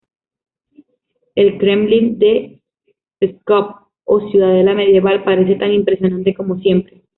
El kremlin de Pskov, o ciudadela medieval, parece tan impresionante como siempre.